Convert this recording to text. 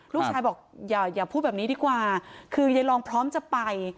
ลูกชายบอกอย่าพูดแบบนี้ดีกว่าคือยายลองพร้อมจะไป